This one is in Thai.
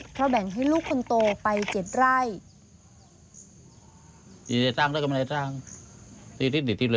เพราะแบ่งให้ลูกคนโตไป๗ไร่